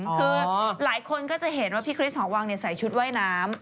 คือหลายคนก็จะเห็นว่าพี่คริสหอวังใส่ชุดว่ายน้ำ